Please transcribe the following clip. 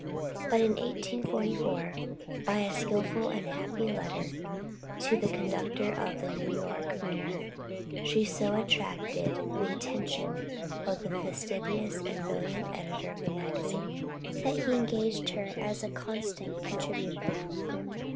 But in 1844, by a skilful and happy letter to the conductor of the New York Mirror, she so attracted the attention of the fastidious and brilliant editor of that magazine, that he engaged her as a constant contributor.